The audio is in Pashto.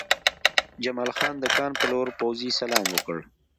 جمال خان د کان په لور پوځي سلام وکړ